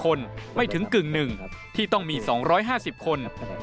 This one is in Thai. คนไม่ถึงกึ่งหนึ่งที่ต้องมี๒๕๐คน